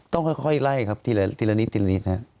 ต้องค่อยไล่ทีละนิด